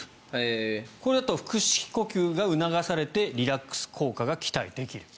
これだと腹式呼吸が促されてリラックス効果が期待できると。